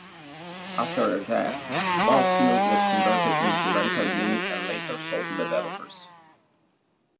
After her death, Val-Kill was converted into rental units and later sold to developers.